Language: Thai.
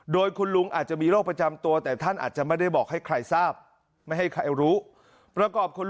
โดยคุณลุงอาจจะมีโรคประจำตัวแต่ท่านอาจจะไม่ได้บอกให้ใครทราบ